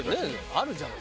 あるじゃん。